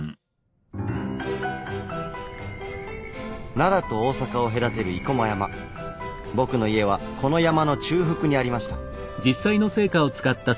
奈良と大阪を隔てる僕の家はこの山の中腹にありました。